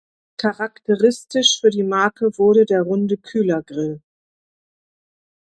Charakteristisch für die Marke wurde der runde Kühlergrill.